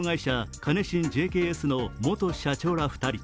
カネシンＪＫＳの元社長ら２人。